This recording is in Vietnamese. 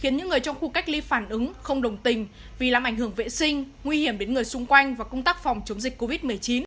những người trong khu cách ly phản ứng không đồng tình vì làm ảnh hưởng vệ sinh nguy hiểm đến người xung quanh và công tác phòng chống dịch covid một mươi chín